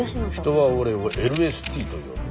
人は俺をＬＳＴと呼ぶ。